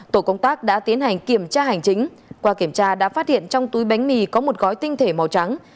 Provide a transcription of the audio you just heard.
tổ công tác đã tiến hành kiểm tra hành chính qua kiểm tra đã phát hiện trong túi bánh mì có một gói tinh thể màu trắng